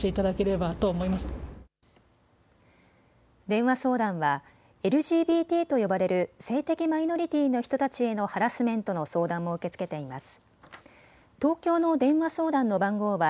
電話相談はＬＧＢＴと呼ばれる性的マイノリティーの人たちへのハラスメントの相談も受け付けています。